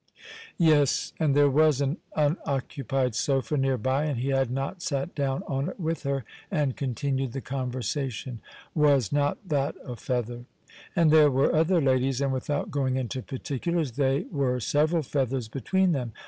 Yes, and there was an unoccupied sofa near by, and he had not sat down on it with her and continued the conversation. Was not that a feather? And there were other ladies, and, without going into particulars, they were several feathers between them.